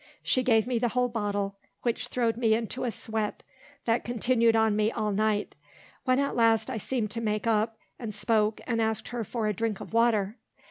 She gave me the whole bottle, which throwed me into a sweat that continued on me all night; when at last I seemed to make up, and spoke, and asked her for a drink of water.